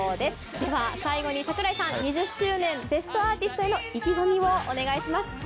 では最後に櫻井さん２０周年『ベストアーティスト』への意気込みをお願いします。